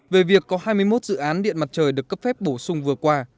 về việc có hai mươi một dự án điện mặt trời được cấp phép bổ sung vừa qua